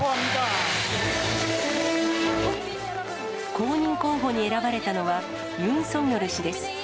公認候補に選ばれたのは、ユン・ソギョル氏です。